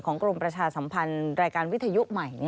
กรมประชาสัมพันธ์รายการวิทยุใหม่